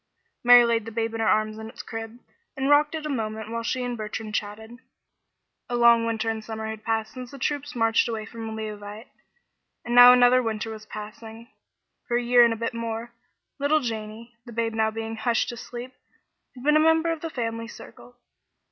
Mary laid the babe in her arms in its crib, and rocked it a moment while she and Bertrand chatted. A long winter and summer had passed since the troops marched away from Leauvite, and now another winter was passing. For a year and a bit more, little Janey, the babe now being hushed to sleep, had been a member of the family circle.